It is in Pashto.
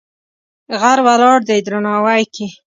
غر ولاړ دی درناوی کې.